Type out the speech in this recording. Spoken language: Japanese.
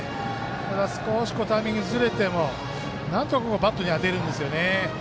ただ、少しタイミングずれてもなんとかバットに当てるんですよね。